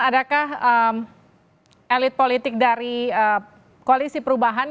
adakah elit politik dari koalisi perubahan